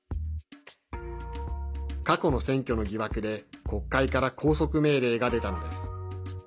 過去の選挙の疑惑で国会から拘束命令が出たのです。